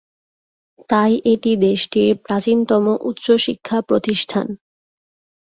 তাই এটি দেশটির প্রাচীনতম উচ্চশিক্ষা প্রতিষ্ঠান।